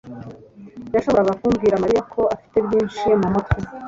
yashoboraga kubwira Mariya ko afite byinshi mumutwe.